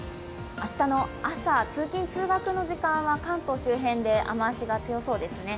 明日の朝、通勤・通学の時間は関東周辺で雨足が強そうですね。